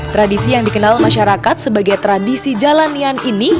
tradisi yang dikenal masyarakat sebagai tradisi jalanian ini